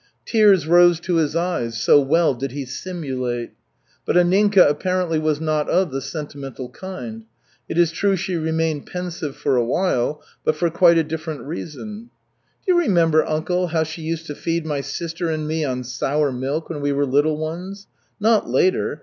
Tears rose to his eyes, so well did he simulate. But Anninka apparently was not of the sentimental kind. It is true she remained pensive for a while but for quite a different reason. "Do you remember, uncle, how she used to feed my sister and me on sour milk when we were little ones? Not later.